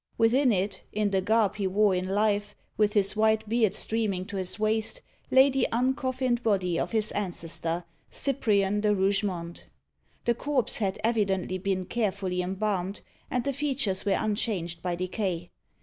Within it, in the garb he wore in life, with his white beard streaming to his waist, lay the uncoffined body of his ancestor, Cyprian de Rougemont. The corpse had evidently been carefully embalmed, and the features were unchanged by decay.